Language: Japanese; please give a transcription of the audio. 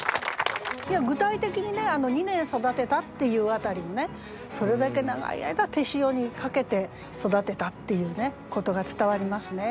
具体的にね「二年育てた」っていう辺りもねそれだけ長い間手塩にかけて育てたっていうことが伝わりますね。